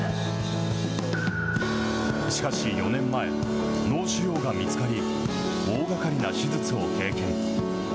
しかし４年前、脳腫瘍が見つかり、大がかりな手術を経験。